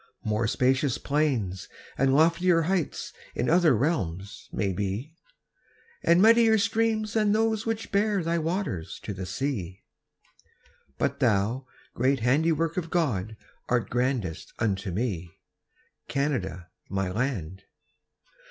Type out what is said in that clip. More spacious plains and loftier heights In other realms may be, And mightier streams than those which bear Thy waters to the sea; But thou, great handiwork of God, Art grandest unto me, Canada, my land.